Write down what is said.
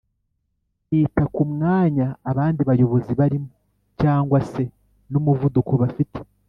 yita kumwanya abandi bayobozi barimo cg se n’umuvuduko bafite